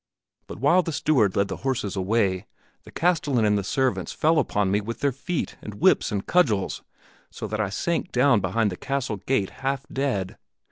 But while the steward led the horses away, the castellan and servants fell upon me with their feet and whips and cudgels, so that I sank down behind the castle gate half dead.